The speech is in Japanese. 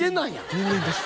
人間です。